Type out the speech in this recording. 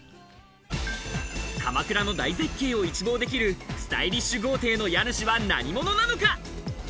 鎌倉の大絶景を一望できるスタイリッシュ豪邸の家主は何者なのか？